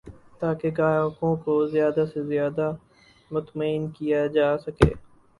تاکہ گاہکوں کو زیادہ سے زیادہ مطمئن کیا جا سکے